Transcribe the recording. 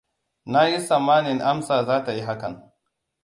Na yi tsammanin Amsa za ta yi hakan.